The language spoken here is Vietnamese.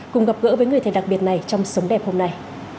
cùng gặp gỡ với người thầy đặc biệt này trong sống đẹp hôm nay